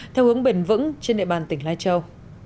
theo hướng bền vững trên địa bàn tỉnh lai châu